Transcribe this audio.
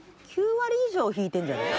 ９割以上引いてるんじゃない？